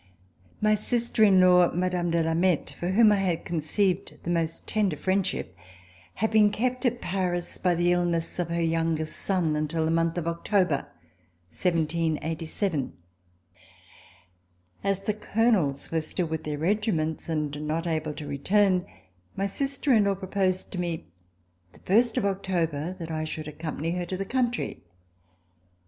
MY sister in law, Mme. de Lameth, for whom I had conceived the most tender friend ship, had been kept at Paris by the illness of her younger son until the month of October, 1787. As the Colonels were still with their regiments and not able to return, my sister in law proposed to me the first of October that I should accompany her to the country.